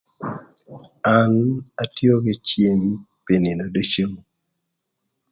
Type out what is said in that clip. An atio kï cïm pï nïnö ducu,